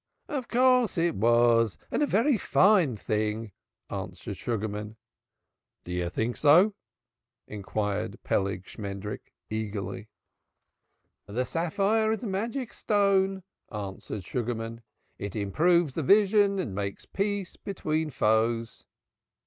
"Of course it was and a very fine thing, too," answered Sugarman. "Do you think so?" inquired Peleg Shmendrik eagerly. "The sapphire is a magic stone," answered Sugarman. "It improves the vision and makes peace between foes.